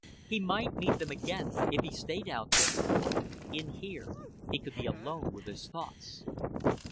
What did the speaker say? He might meet them again if he stayed out there. In here he could be alone with his thoughts.